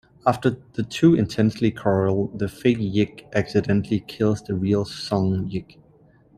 After the two intensely quarrel, the fake Yik accidentally kills the real Sung Yik.